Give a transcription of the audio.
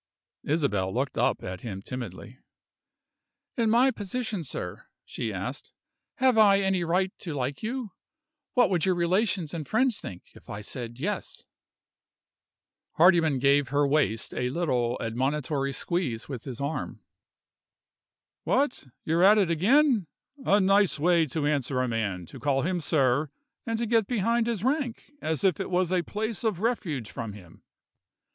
Isabel looked up at him timidly. "In my position, sir," she asked, "have I any right to like you? What would your relations and friends think, if I said Yes?" Hardyman gave her waist a little admonitory squeeze with his arm "What? You're at it again? A nice way to answer a man, to call him 'Sir,' and to get behind his rank as if it was a place of refuge from him!